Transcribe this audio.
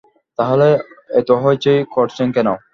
তাহলে এত হৈচৈ করছেন কেন?